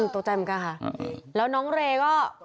ตัวจ้าอุ้ยตลอดกำลังค